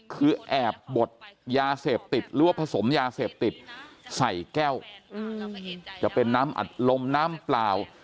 คือแอบบดยาเสพติดหรือว่าผสมยาเสพติดใส่แก้วจะเป็นน้ำอัดลมน้ำเปล่า